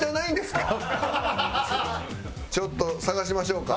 ちょっと探しましょうか。